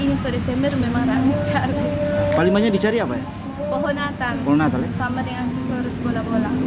ini sudah semen memang rakyat paling banyak dicari apa ya pohon natal sama dengan kursus bola bola